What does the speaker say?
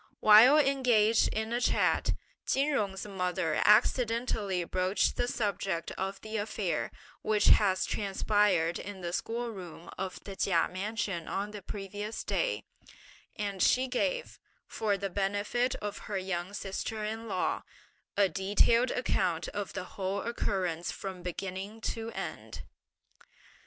While engaged in a chat, Chin Jung's mother accidentally broached the subject of the affair, which had transpired in the school room of the Chia mansion on the previous day, and she gave, for the benefit of her young sister in law, a detailed account of the whole occurrence from beginning to end.